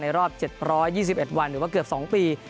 รอบ๗๒๑วันหรือว่าเกือบ๒ปี